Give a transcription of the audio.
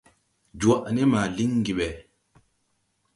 Jwaʼ ne ma liŋgi ɓɛ.